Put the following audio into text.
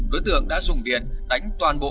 đối tượng đã dùng điện đánh toàn bộ